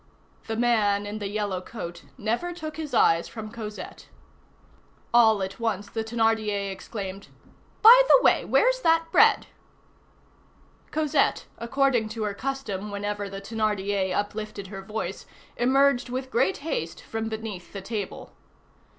The man in the yellow coat never took his eyes from Cosette. All at once, the Thénardier exclaimed:— "By the way, where's that bread?" Cosette, according to her custom whenever the Thénardier uplifted her voice, emerged with great haste from beneath the table.